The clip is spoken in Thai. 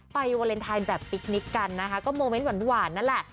วาเลนไทยแบบปิ๊กนิกกันนะคะก็โมเมนต์หวานนั่นแหละ